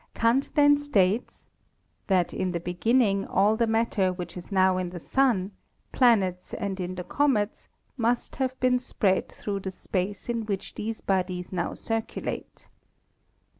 Kant then states "that in the beginning all the matter which is now in the Sun, planets and in the comets must have been spread through the space in which these bodies now circulate."